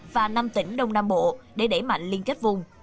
và năm tỉnh đông nam bộ để đẩy mạnh liên kết vùng